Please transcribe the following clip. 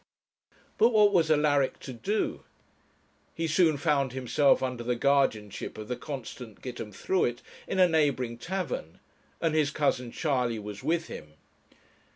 But what was Alaric to do? He soon found himself under the guardianship of the constant Gitemthruet in a neighbouring tavern, and his cousin Charley was with him.